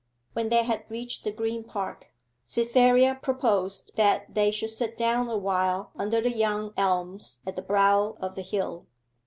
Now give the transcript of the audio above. When they had reached the Green Park, Cytherea proposed that they should sit down awhile under the young elms at the brow of the hill.